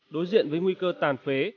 đối diện với nguy cơ tàn phế